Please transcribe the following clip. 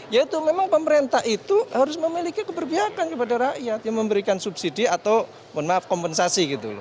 yaitu memang pemerintah itu harus memiliki keberbiakan kepada rakyat yang memberikan subsidi atau maaf kompensasi